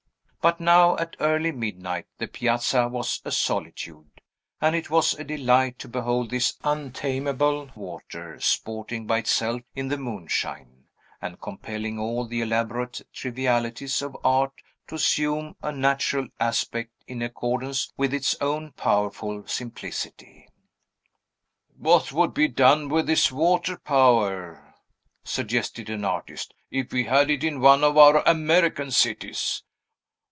But now, at early midnight, the piazza was a solitude; and it was a delight to behold this untamable water, sporting by itself in the moonshine, and compelling all the elaborate trivialities of art to assume a natural aspect, in accordance with its own powerful simplicity. "What would be done with this water power," suggested an artist, "if we had it in one of our American cities?